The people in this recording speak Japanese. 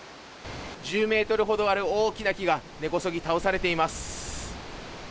１０メートルほどある大きな木が、根こそぎ倒されています。